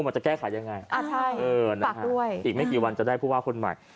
มันจะแก้ไขง่ายอาใช่พริกฝากด้วยอีกไม่กี่วันจะได้ผู้ว่าควรใหม่